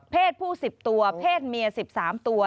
ผู้๑๐ตัวเพศเมีย๑๓ตัว